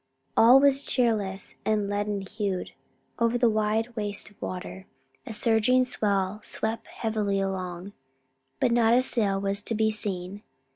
All was cheerless and leaden hued over the wide waste of water; a surging swell swept heavily along, but not a sail was to be seen.